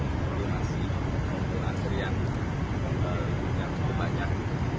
untuk jemaah yang lebih banyak untuk jemaah yang lebih banyak